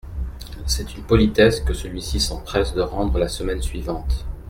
C’est une politesse que celui-ci s’empresse de rendre la semaine suivante…